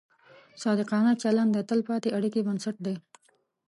صادقانه چلند د تلپاتې اړیکې بنسټ دی.